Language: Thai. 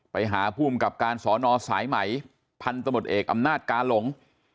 ไปหาภูมิกับการสอนอสายไหมพันธมตเอกอำนาจกาหลง